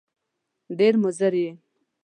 ډېر مضر یې !